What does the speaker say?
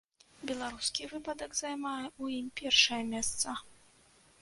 Беларускі выпадак займае ў ім першае месца.